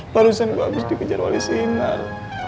barusan gua habis dikejar wali sinar